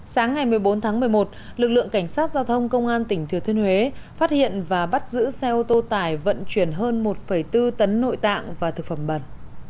sáng ngày một mươi bốn tháng một mươi một lực lượng cảnh sát giao thông công an tỉnh thừa thiên huế phát hiện và bắt giữ xe ô tô tải vận chuyển hơn một bốn tấn nội tạng và thực phẩm bẩn